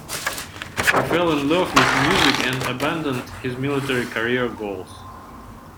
He fell in love with music and abandoned his military career goals.